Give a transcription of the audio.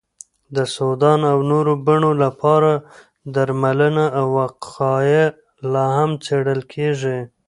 د سودان او نورو بڼو لپاره درملنه او وقایه لا هم څېړل کېږي.